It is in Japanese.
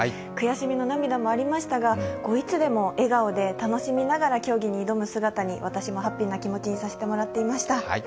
悔しみの涙もありましたが、いつでも笑顔で楽しみながら競技に挑む姿に私もハッピーな気持ちにさせてもらっていました。